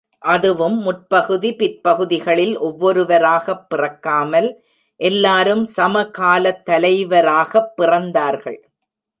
அதுவும் முற்பகுதி பிற்பகுதிகளில் ஒவ்வொருவராக பிறக்காமல் எல்லாரும் சம காலத் தலைவராகப் பிறந்தார்கள்.